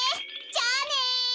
じゃあね。